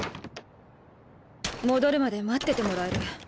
戻るまで待っててもらえる？